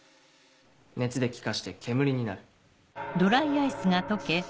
熱で気化して煙になる。